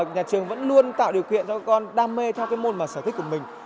nhà trường vẫn luôn tạo điều kiện cho các con đam mê theo cái môn mà sở thích của mình